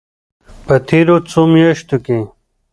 په تېرو څو میاشتو کې